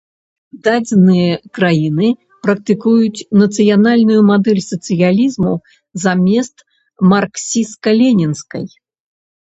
Дадзеныя краіны практыкуюць нацыянальную мадэль сацыялізму замест марксісцка-ленінскай.